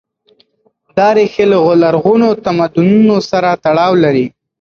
دا ريښې له لرغونو تمدنونو سره تړاو لري.